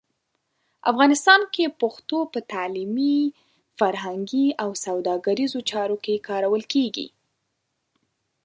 افغانستان کې پښتو په تعلیمي، فرهنګي او سوداګریزو چارو کې کارول کېږي.